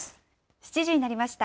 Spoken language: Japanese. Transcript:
７時になりました。